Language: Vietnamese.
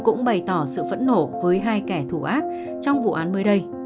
cũng bày tỏ sự phẫn nổ với hai kẻ thù ác trong vụ án mới đây